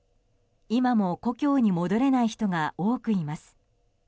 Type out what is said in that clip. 今も故郷に戻れない人が多くいます。